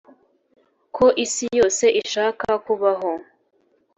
ko isi yose ishaka kubaho?